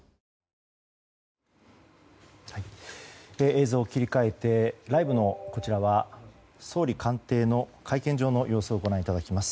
映像を切り替えてライブで、総理官邸の会見場の様子をご覧いただきます。